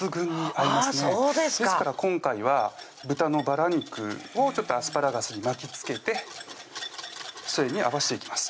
そうですかですから今回は豚のバラ肉をアスパラガスに巻きつけてそれに合わしていきます